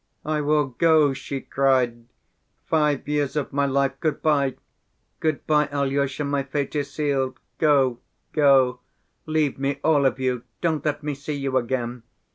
"I will go," she cried; "five years of my life! Good‐by! Good‐by, Alyosha, my fate is sealed. Go, go, leave me all of you, don't let me see you again!